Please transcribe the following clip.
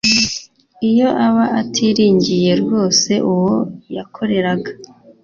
Iyo aba atiringiye rwose uwo yakoreraga